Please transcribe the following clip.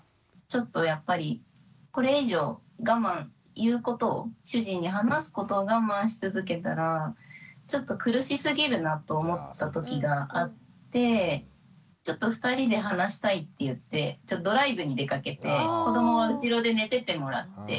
ちょっとやっぱりこれ以上我慢言うことを主人に話すことを我慢し続けたらちょっと苦しすぎるなと思ったときがあってちょっと２人で話したいって言ってドライブに出かけて子どもは後ろで寝ててもらって。